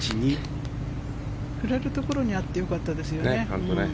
振れるところにあってよかったですよね。